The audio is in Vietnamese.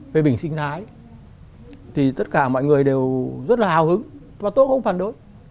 về bình sinh thái thì tất cả mọi người đều rất là hào hứng và tôi cũng không phản đối